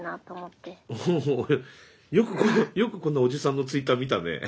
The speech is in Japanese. おおよくこんなおじさんのツイッター見たねえ。